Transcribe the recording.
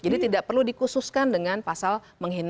jadi tidak perlu dikhususkan dengan pasal menghina